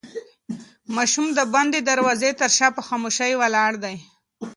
ماشوم د بندې دروازې تر شا په خاموشۍ ولاړ دی.